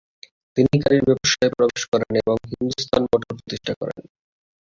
তিনি গাড়ির ব্যবসায়ে প্রবেশ করেন এবং হিন্দুস্তান মোটর প্রতিষ্ঠা করেন।